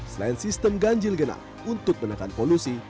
selain sistem ganjil genap untuk menekan polusi